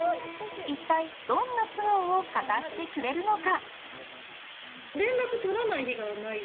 一体、どんな素顔を語ってくれるのか。